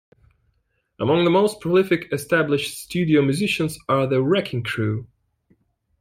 Among the most prolific established studio musicians are The Wrecking Crew.